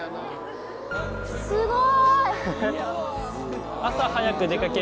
すごい！